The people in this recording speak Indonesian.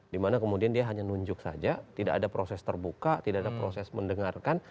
dimana kemudian dia hanya nunjuk saja tidak ada proses terbuka tidak ada proses mendengarkan